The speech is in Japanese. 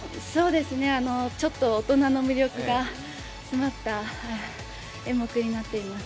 ちょっと大人の魅力が詰まった演目になっています。